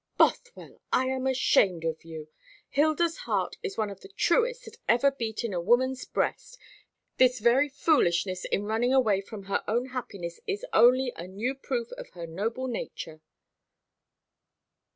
"Bothwell, I am ashamed of you. Hilda's heart is one of the truest that ever beat in a woman's breast. This very foolishness in running away from her own happiness is only a new proof of her noble nature."